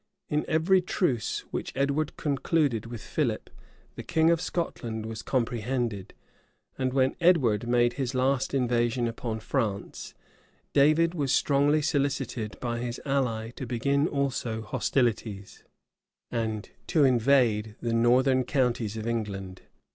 In every truce which Edward concluded with Philip, the king of Scotland was comprehended; and when Edward made his last invasion upon France, David was strongly solicited by his ally to begin also hostilities, and to invade the northern counties of England.